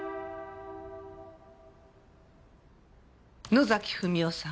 野崎文夫さん